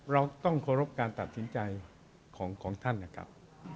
เราต้องเคารพการตัดสินใจของท่านนะครับ